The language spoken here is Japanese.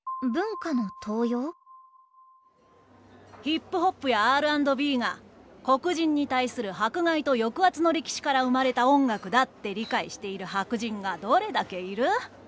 ヒップホップやＲ＆Ｂが黒人に対する迫害と抑圧の歴史から生まれた音楽だって理解している白人がどれだけいる？